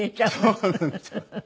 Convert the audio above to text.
そうなんですよ。